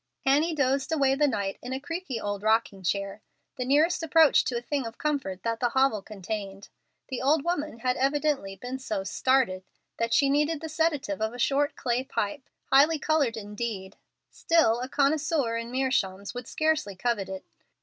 Annie dozed away the night in a creaky old rocking chair, the nearest approach to a thing of comfort that the hovel contained. The old woman had evidently been so "started" that she needed the sedative of a short clay pipe, highly colored indeed, still a connoisseur in meerschaums would scarcely covet it.